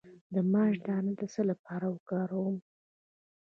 د ماش دانه د څه لپاره وکاروم؟